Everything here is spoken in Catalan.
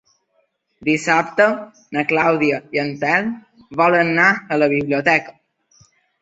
Dissabte na Clàudia i en Telm volen anar a la biblioteca.